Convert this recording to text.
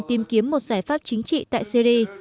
tìm kiếm một giải pháp chính trị tại syri